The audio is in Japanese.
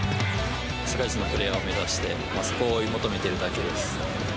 世界一のプレーヤーを目指してそこを追い求めているだけです。